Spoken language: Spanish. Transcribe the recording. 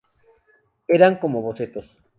Eran como bocetos.